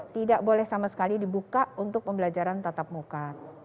tidak boleh sama sekali dibuka untuk pembelajaran tatap muka